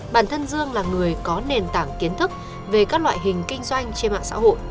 bản thân dương là người có nền tảng kiến thức về các loại hình kinh doanh trên mạng xã hội